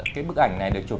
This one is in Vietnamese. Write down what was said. cái bức ảnh này được chụp